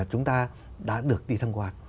chúng ta đã được đi tham quan